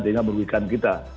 sehingga merugikan kita